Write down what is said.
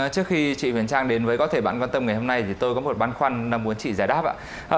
trước khi chị huyền trang đến với có thể bạn quan tâm ngày hôm nay thì tôi có một băn khoăn là muốn chị giải đáp ạ